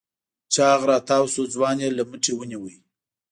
چاغ راتاوشو ځوان يې له مټې ونيو.